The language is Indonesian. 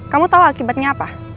kamu tau akibatnya apa